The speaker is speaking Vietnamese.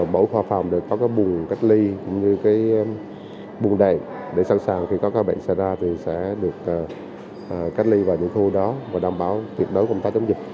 mỗi khoa phòng đều có bùng cách ly bùng đẩy để sẵn sàng khi có các bệnh xảy ra sẽ được cách ly vào những khu đó và đảm bảo tuyệt đối công tác chống dịch